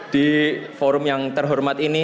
di forum yang terhormat ini